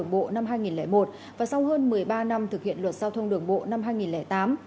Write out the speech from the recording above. đường bộ năm hai nghìn một và sau hơn một mươi ba năm thực hiện luật giao thông đường bộ năm hai nghìn tám